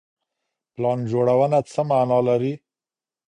پلان جوړونه څه معنا لري؟